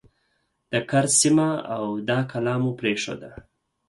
د کرز سیمه او دا کلا مو پرېښوده.